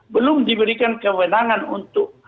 belum diberikan kewenangan untuk